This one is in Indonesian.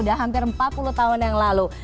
sudah hampir empat puluh tahun yang lalu